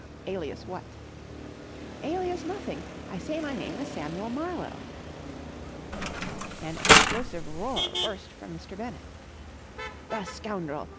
"Alias what?" "Alias nothing! I say my name is Samuel Marlowe...." An explosive roar burst from Mr. Bennett. "The scoundrel!